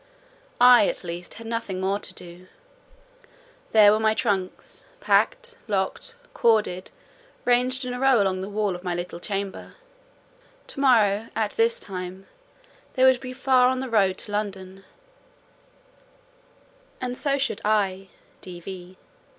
I, at least, had nothing more to do: there were my trunks, packed, locked, corded, ranged in a row along the wall of my little chamber; to morrow, at this time, they would be far on their road to London: and so should I (D.V.)